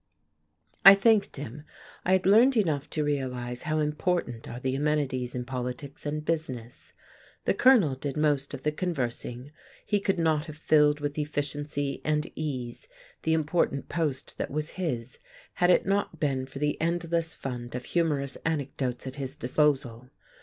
I thanked him. I had learned enough to realize how important are the amenities in politics and business. The Colonel did most of the conversing; he could not have filled with efficiency and ease the important post that was his had it not been for the endless fund of humorous anecdotes at his disposal.